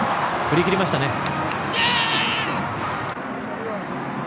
振り切りましたね。